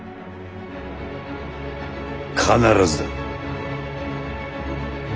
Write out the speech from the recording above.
必ずだ。